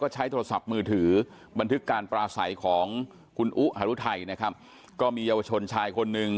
ใช้โทรศัพท์มือถือบันทึกการปราศัยของคุณอุฮารุไทยนะครับก็มีเยาวชนชายคนหนึ่ง